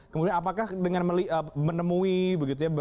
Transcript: kemudian apakah dengan menemui begitu ya